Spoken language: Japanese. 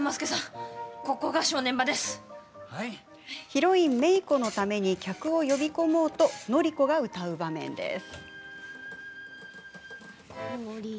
ヒロイン、め以子のために客を呼び込もうと希子が歌う場面です。